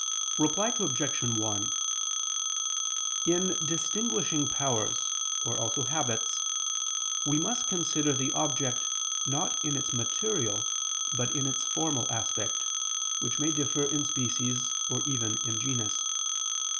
Reply Obj. 1: In distinguishing powers, or also habits, we must consider the object not in its material but in its formal aspect, which may differ in species or even in genus.